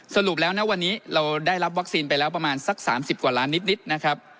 สรุปแล้วนะวันนี้เราได้รับวัคซีนไปแล้วประมาณสัก๓๐กว่าล้านนิดนะครับ